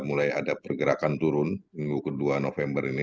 mulai ada pergerakan turun minggu kedua november ini